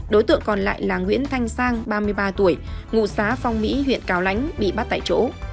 đối tượng còn lại là nguyễn thanh sang ba mươi ba tuổi ngụ xã phong mỹ huyện cao lãnh bị bắt tại chỗ